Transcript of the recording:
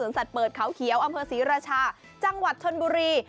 สัตว์เปิดเขาเขียวอำเภอศรีราชาจังหวัดชนบุรี